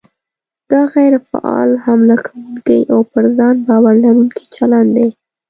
دا غیر فعال، حمله کوونکی او پر ځان باور لرونکی چلند دی.